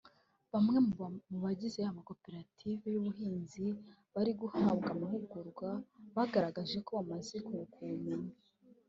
Bamwe mu bagize amakoperative y’ubuhinzi bari guhabwa amahugurwa bagaragaje ko bamaze kunguka ubumenyi